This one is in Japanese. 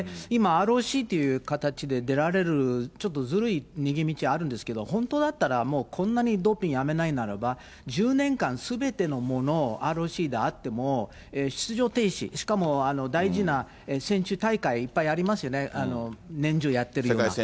今、ＲＯＣという形で出られる、ちょっとずるい逃げ道あるんですけど、本当だったらもうこんなにドーピングやめないならば、１０年間すべてのものを、ＲＯＣであっても出場停止、しかも大事な選手大会、いっぱいありますよね、年中やってるような。